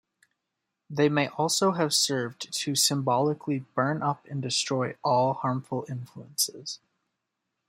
They may also have served to symbolically "burn up and destroy all harmful influences".